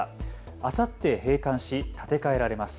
あさって閉館し建て替えられます。